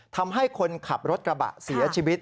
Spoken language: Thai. ทำให้คนขับรถกระบะเสียชีวิต